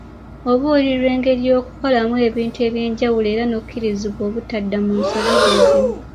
Obuulirirwa engeri y'okukolamu ebintu eby'enjawulo era n'okubirizibwa obutadda mu nsobi ze zimu.